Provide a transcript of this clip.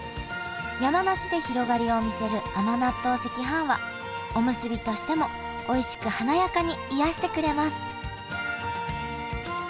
山梨で広がりを見せる甘納豆赤飯はおむすびとしてもおいしく華やかに癒やしてくれます